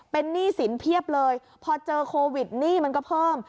เป็นหนี้สินเพียบเลยพอเจอโควิดหนี้มันก็เพิ่ม